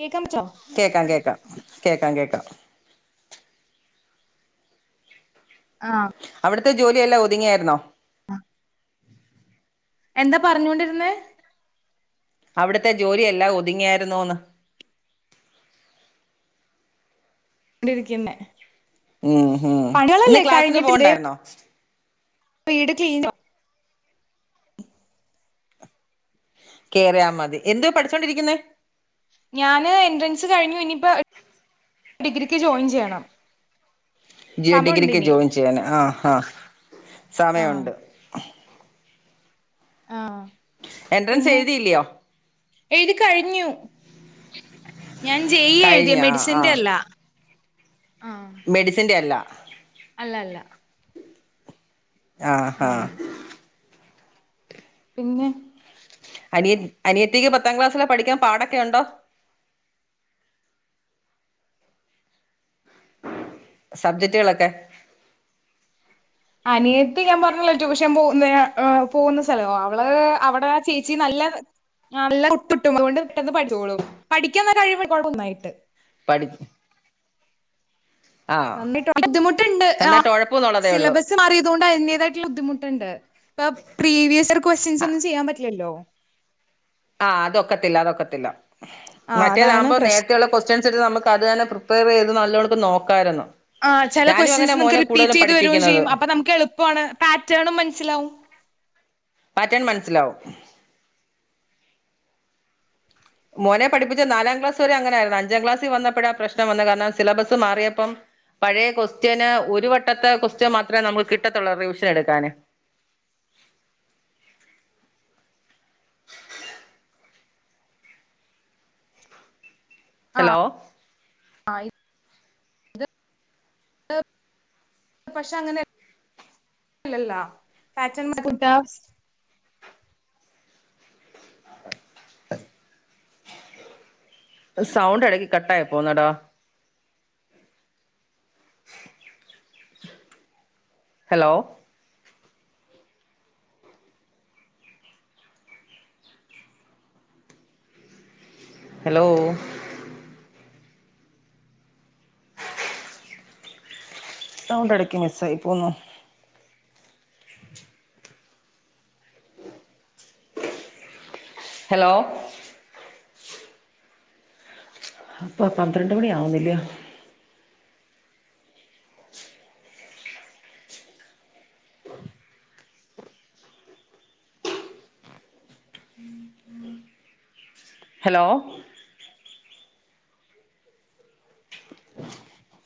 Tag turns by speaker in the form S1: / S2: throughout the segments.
S1: കേക്കാൻ പറ്റോ
S2: കേക്കാം കേക്കാം കേക്കാം കേക്കാം.
S1: ആ
S2: അവിടുത്തെ ജോലിയെല്ലാം ഒതുങ്ങിയാരുന്നോ?
S1: എന്താ പറഞ്ഞുകൊണ്ടിരുന്നേ?
S2: അവിടുത്തെ ജോലിയെല്ലാം ഒതുങ്ങിയാരുന്നൊന്ന്.
S1: ടിരിക്ക്ന്നെ.
S2: ഇന്ന് ക്ലാസിനു
S1: ദേ
S2: പോണ്ടാരുന്നോ?
S1: വീട് ക്ലീനോ?
S2: കേറിയാ മതി, എന്തുവാ പഠിച്ചോണ്ടിരിക്കുന്നെ?
S1: ഞാന് എൻട്രൻസ് കഴിഞ്ഞു ഇനിപ്പോ ഡിഗ്രിയ്ക്കു ജോയിൻ ചെയ്യണം.
S2: ജിയോ
S1: സമയണ്ട്
S2: ഡിഗ്രിക്കു
S1: ഇനി
S2: ജോയിൻ ചെയ്യാന് ആ ആ
S1: ആഹ്
S2: സമയൊണ്ട്.
S1: ആ
S2: എൻട്രൻസ് എഴുതില്ലിയോ?
S1: എഴുതി കഴിഞ്ഞു. ഞാൻ ജെ ഈ യാ എഴുതിയെ
S2: കഴിഞ്ഞ ആ ആ
S1: മെഡിസിന്റെ അല്ല. ആഹ്
S2: മെഡിസിന്റെ അല്ല.
S1: അല്ല അല്ല
S2: ആ ഹാ
S1: ആഹ് പിന്നെ
S2: അനിയത് അനിയത്തിക്ക് പത്താം ക്ലാസ്സിലെ പഠിക്കാൻ പാടൊക്കെ ഒണ്ടോ? സബ്ജറ്റ്കളൊക്കെ
S1: അനിയത്തി ഞാൻ പറഞ്ഞില്ലെ ട്യൂഷൻ പോന്ന അ പോന്ന സലം അവള് അവടെ ചേച്ചി നല്ല നല്ല കുത്ത് കിട്ടും അത് കൊണ്ട് പെട്ടെന്ന് പഠിച്ചോളും, പഠിക്കാനുള്ള കഴിവുണ്ട് [unintelligible] നന്നായിട്ട്.
S2: പഠി ആ
S1: നന്നായിട്ട് ബുദ്ധിമുട്ട് ഇണ്ട് ആ
S2: നന്നായിട്ട് ഉഴപ്പുന്നുള്ളതേ ഉള്ളൂ
S1: സിലബസ് മാറിയതു കൊണ്ട് അതിൻ്റെതായിട്ടുള്ള ബുദ്ധിമുട്ട്ണ്ട് ഇപ്പം പ്രീവിയസർ ക്വസ്റ്റിയൻസ് ഒന്നും ചെയ്യാൻ പറ്റില്ലല്ലോ.
S2: ആ അതൊക്കത്തില്ല അതൊക്കത്തില്ല.
S1: ആഹ് അതാണ്
S2: മറ്റേതാകുമ്പോ
S1: പ്രശ്നം
S2: നേരത്തെ ഒള്ള ക്വസ്റ്റിയൻസ് ഇട്ട് നമ്മക്ക് അത് തന്നെ പ്രിപ്പേയർ ചെയ്ത് നല്ലോണിക്ക് നോക്കായിരുന്നു,
S1: ആഹ് ചില
S2: ഞാനും അങ്ങനെ
S1: ക്വസ്റ്റ്യൻസ് നമുക്ക്
S2: മോനെ
S1: റിപ്പീറ്റ്
S2: കൂടുതലും
S1: ചെയ്ത് വരും
S2: പഠിപ്പിക്കുന്നത്.
S1: ചെയ്യും അപ്പൊ നമുക്ക് എളുപ്പമാണ് പാറ്റേണും മനസ്സിലാവും
S2: പാറ്റേൺ മനസ്സിലാകും. മോനെ പഠിപ്പിച്ചു നാലാം ക്ലാസ് വരെ അങ്ങനെയായിരുന്നു അഞ്ചാം ക്ലാസിൽ വന്നപ്പഴ പ്രശ്നം വന്നത്, കാരണം സിലബസ് മാറിയപ്പം പഴയ ക്വസ്റ്റിയന് ഒരു വട്ടത്തെ ക്വസ്റ്റിയൻ മാത്ര നമുക്ക് കിട്ടത്തൊള്ളൂ റിവിഷൻ എടുക്കാന്. ഹലോ
S1: ആയി ഇത് പക്ഷേ അങ്ങനെ ലല്ലല്ലോ പാറ്റേൺ മാറ്റി ടാസ്
S2: സൗണ്ട് എടയ്ക്ക് കട്ടായി പോന്നടാ. ഹലോ ഹലോ സൗണ്ട് ഇഎയ്ക്ക് മിസ്സായി പോന്നു. [inaudible] ഹലോ അപ്പം പന്ത്രണ്ട് മണിയാവുന്നില്ലയോ. ഹലോ [inaudible]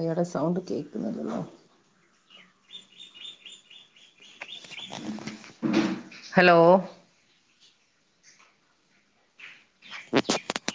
S2: ഇയാടെ സൗണ്ട് കേക്കുന്നില്ലല്ലോ ഹലോ [inaudible]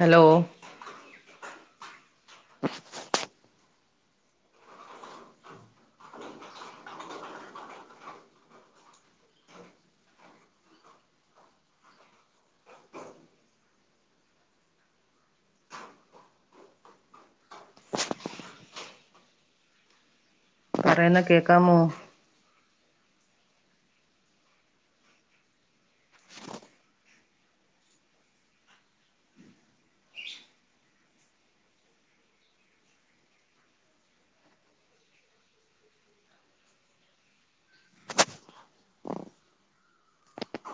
S2: ഹലോ പറയന്ന കേക്കാമോ